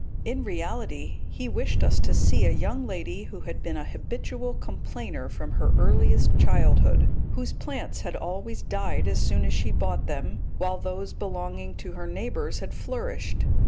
In reality, he wished us to see a young lady who had been a habitual complainer from her earliest childhood; whose plants had always died as soon as she bought them, while those belonging to her neighbours had flourished.